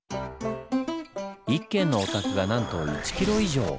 １軒のお宅がなんと１キロ以上！